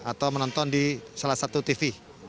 atau menonton di salah satu tv